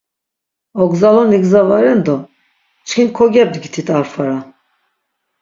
Ogzaloni gza va ren do çkin kodepdgitit ar fara...